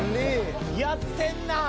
やってんなぁ。